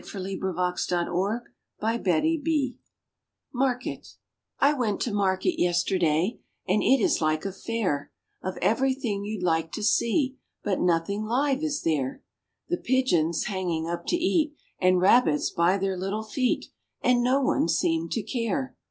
[Illustration: THE MYSTIC] Market I went to Market yesterday, And it is like a Fair Of everything you'd like to see; But nothing live is there: The Pigeons, hanging up to eat; And Rabbits, by their little feet! And no one seemed to care.